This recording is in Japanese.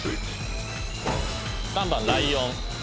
３番ライオン。